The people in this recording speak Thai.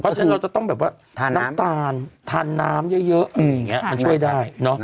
เพราะฉะนั้นเราจะต้องแบบว่าทานน้ำน้ำตาลทานน้ำเยอะเยอะอืมอย่างเงี้ยมันช่วยได้เนอะนะฮะ